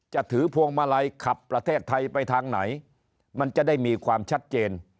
จะถือพวงมาลัยขับประเทศไทยไปทางไหนมันจะได้มีความชัดเจน